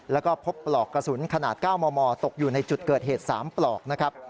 แล้วก็พบปลอกกระสุนขนาด๙มมตกอยู่ในจุดเกิดเหตุ๓ปลอกนะครับ